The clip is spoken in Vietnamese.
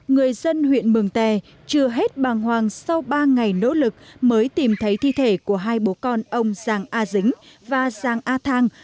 người dân huyện mường tè chưa hết bàng hoàng sau ba ngày nỗ lực mới tìm thấy thi thể của hai bố con ông giàng a dính và giàng a thang